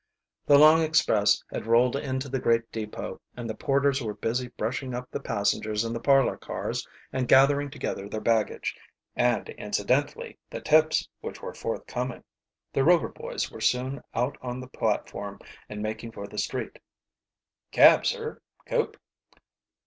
The long express had rolled into the great depot and the porters were busy brushing up the passengers in the parlor cars and gathering together their baggage and incidentally, the tips which were forthcoming. The Rover boys were soon out on the platform and making for the street. "Cab, sir; coupe?"